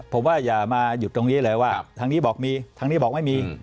ผมว่าอย่ามาหยุดตรงนี้เลยว่าทางนี้บอกมีทางนี้บอกไม่มี